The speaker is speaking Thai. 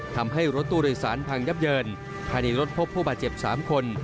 ทำให้รถตู้โดยสารพังยับเยินภายในรถพบผู้บาดเจ็บ๓คน